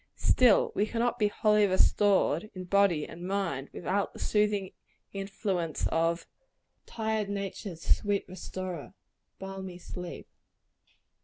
Still we cannot be wholly restored, in body and mind, without the soothing influence of "Tired nature's sweet restorer, balmy sleep."